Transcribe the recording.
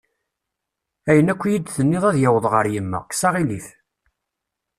Ayen akk i iyi-d-tenniḍ ad yaweḍ ɣer yemma, kkes aɣilif.